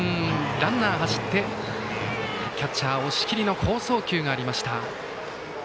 ランナー走ってキャッチャー、押切の好送球がありました。